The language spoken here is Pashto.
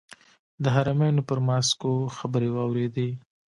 د حرمینو پر ماسکو خبرې واورېدې.